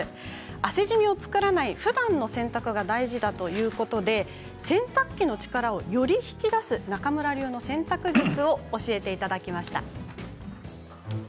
汗じみを作らない、ふだんの洗濯が大事だということで洗濯機の力をより引き出す中村流の洗濯術を教えてもらいました。